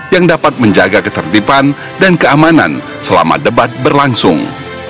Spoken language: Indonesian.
yang dapat menjaga ketertiban dan keamanan selama debat berlangsung